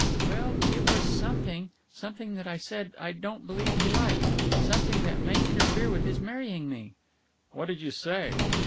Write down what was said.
"Well ... it was something ... something that I don't believe he liked ... something that may interfere with his marrying me." "What did you say?"